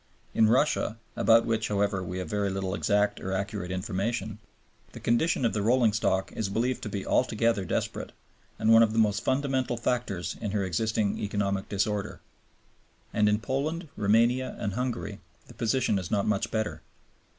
In Russia (about which, however, we have very little exact or accurate information) the condition of the rolling stock is believed to be altogether desperate, and one of the most fundamental factors in her existing economic disorder. And in Poland, Roumania, and Hungary the position is not much better.